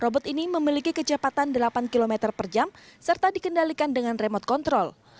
robot ini memiliki kecepatan delapan km per jam serta dikendalikan dengan remote control